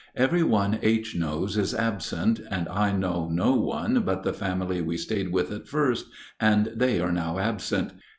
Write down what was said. Every one H. knows is absent, and I know no one but the family we stayed with at first, and they are now absent.